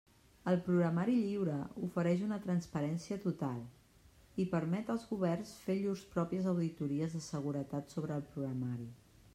El programari lliure ofereix una transparència total, i permet als governs fer llurs pròpies auditories de seguretat sobre el programari.